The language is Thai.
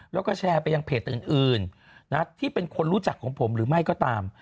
แล้วก็แชร์ไปยังเพจอื่นที่เป็นคนรู้จักของผมหรือไม่ก็ตาม